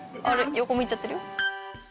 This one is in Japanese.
横向いちゃってるよ？